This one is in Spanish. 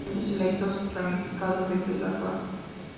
Tallos erectos, ramificado desde las bases.